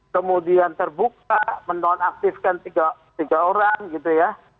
kemudian terbuka menonaktifkan tiga orang gitu ya